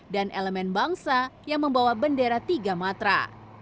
dan elemen bangsa yang membawa bendera tiga matra